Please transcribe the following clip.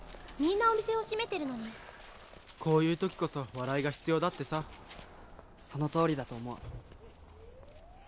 みんなお店を閉めてるのにこういうときこそ笑いが必要だってさそのとおりだと思う